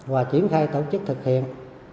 và triển khai tổ chức thực hiện